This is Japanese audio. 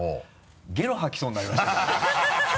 ゲロ吐きそうになりましたけどね。